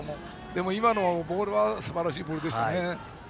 でも、今のボールはすばらしいボールでした。